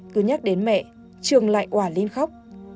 cứ nhắc đến mẹ trường lại quả lên khóc